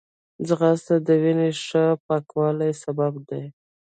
ځغاسته د وینې ښه پاکوالي سبب ده